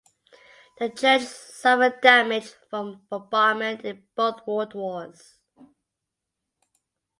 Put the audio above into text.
The church suffered damage from bombardment in both World Wars.